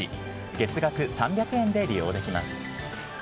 月額３００円で利用できます。